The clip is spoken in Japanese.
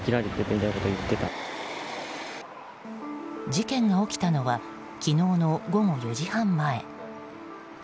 事件が起きたのは昨日の午後４時半前。